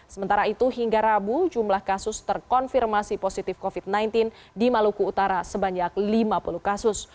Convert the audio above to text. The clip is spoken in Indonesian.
sementara itu hingga rabu jumlah kasus terkonfirmasi positif covid sembilan belas di maluku utara sebanyak lima puluh kasus